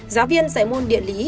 giáo viên giải môn địa lý